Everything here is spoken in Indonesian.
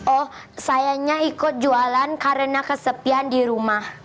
oh sayanya ikut jualan karena kesepian di rumah